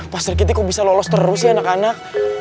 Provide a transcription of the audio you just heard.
pak sirkiti kok bisa lolos terus ya anak anak